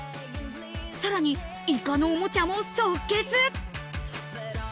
さらにイカのおもちゃも即決！